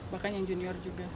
bahkan yang junior juga